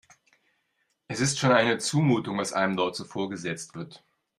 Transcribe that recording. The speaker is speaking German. Es ist schon eine Zumutung, was einem dort so vorgesetzt wird.